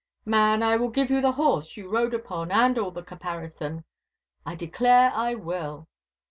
Man, I will give you the horse you rode upon, and all the caparison. I declare I will!